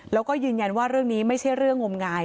แล้วก็ยืนยันว่าเรื่องนี้ไม่ใช่เรื่องงมงาย